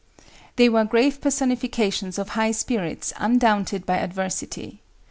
They were grave personifications of high spirits undaunted by adversity.